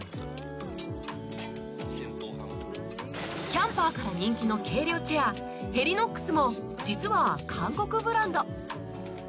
キャンパーから人気の軽量チェア Ｈｅｌｉｎｏｘ も実は韓国ブランド